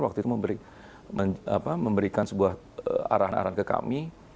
waktu itu memberikan sebuah arahan arahan ke kami